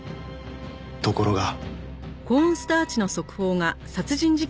ところが。